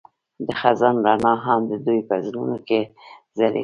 د خزان رڼا هم د دوی په زړونو کې ځلېده.